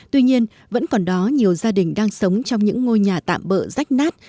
tuy nhiên vẫn còn đó nhiều gia đình đang sống trong những ngôi nhà tạm bỡ rách nát